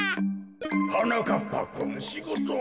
はなかっぱくんしごとは？